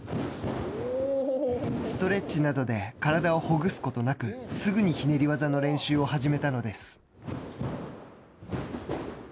ストレッチなどで体をほぐすことなく、すぐにひねり技の練習を始めたのです。